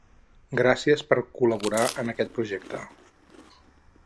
Gràcies per col·laborar en aquest projecte.